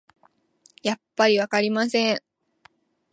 やっぱりわかりません